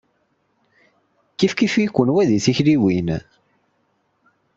Ur terfimt.